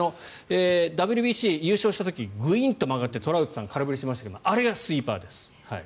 ＷＢＣ優勝した時にグインと曲がってトラウトさん空振りしましたがあれがスイーパーです。